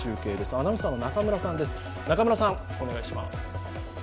アナウンサーの仲村さんです。